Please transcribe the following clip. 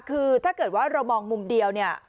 คือถ้าเกิดว่าเรามองมุมเดียวเนี่ย